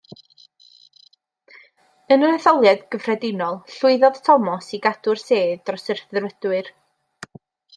Yn yr etholiad cyffredinol llwyddodd Thomas i gadw'r sedd dros y Rhyddfrydwyr.